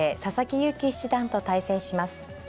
勇気七段と対戦します。